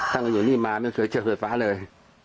ถ้าอยู่นี่มามันก็จะเจอไฟฟ้าเลย